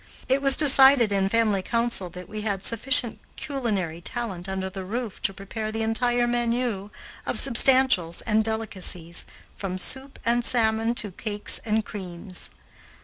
It was decided in family council that we had sufficient culinary talent under the roof to prepare the entire menu of substantials and delicacies, from soup and salmon to cakes and creams.